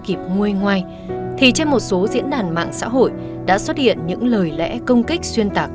kịp nguôi ngoai thì trên một số diễn đàn mạng xã hội đã xuất hiện những lời lẽ công kích xuyên tạc